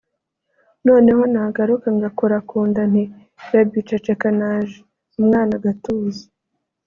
noneho nagaruka ngakora ku nda nti baby ceceka naje umwana agatuza”